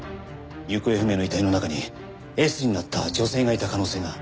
行方不明の遺体の中にＳになった女性がいた可能性が。